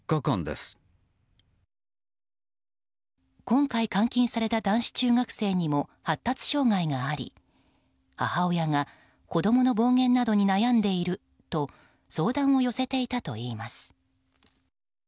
今回、監禁された男子中学生にも発達障害があり母親が子供の暴言などに悩んでいると相談を寄せていたといいます。